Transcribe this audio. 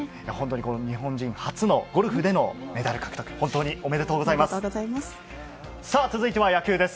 日本人初のゴルフでのメダル獲得、本当におめでとうございます。